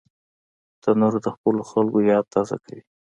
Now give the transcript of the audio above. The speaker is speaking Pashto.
تنور د خپلو خلکو یاد تازه کوي